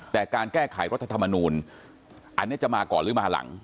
แต่การแก้ไขรัฐธรรมนูลอันนี้จะมาก่อนหรือมาหลัง